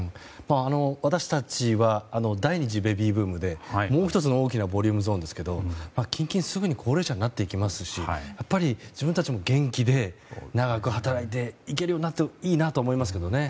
私たちは第２次ベビーブームでもう１つの大きなボリュームゾーンですけど近々、すぐ高齢者になりますし自分たちも元気で長く働いていけるようになるといいなと思いますけどね。